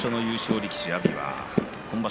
力士阿炎は今場所